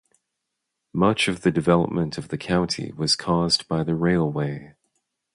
Much of the development of the county was caused by the railway.